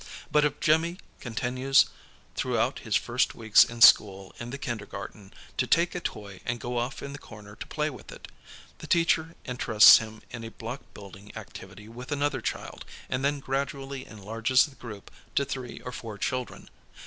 But if Jimmy continues through out his first weeks in school in the kindergarten to take a toy and go off in the corner to play with it, the teacher interests him in a block building activity with another child and then gradually enlarges the group to three or four children.